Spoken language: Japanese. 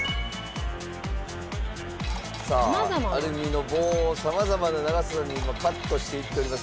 さあアルミの棒を様々な長さに今カットしていっております。